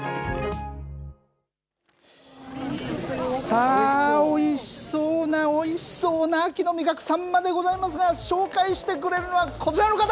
さあ、おいしそうなおいしそうな秋の味覚、サンマでございますが、紹介してくれるのはこちらの方。